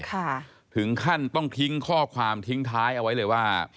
ค่ะถึงขั้นต้องทิ้งข้อความทิ้งท้ายเอาไว้เลยว่า